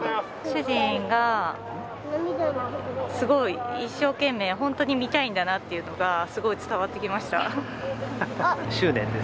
主人がすごい一生懸命、本当に見たいんだなっていうのがすごい伝わってきました。